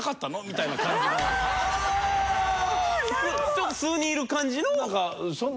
ちょっと数人いる感じの額？